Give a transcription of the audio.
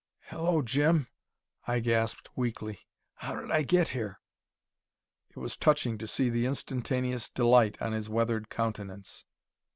"Hello, Jim," I gasped weakly. "How did I get here?" It was touching to see the instantaneous delight on his weathered countenance.